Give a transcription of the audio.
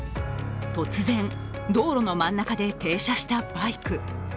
突然、道路の真ん中で停車したバイク。